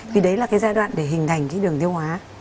thì đấy là cái giai đoạn để hình thành cái đường tiêu hóa